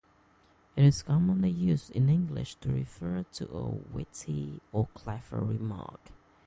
It is commonly used in English to refer to a witty or clever remark.